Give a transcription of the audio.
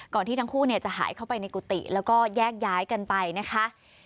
ที่ทั้งคู่จะหายเข้าไปในกุฏิแล้วก็แยกย้ายกันไปนะคะ